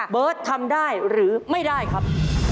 เบิร์ตทำได้หรือไม่ได้ครับ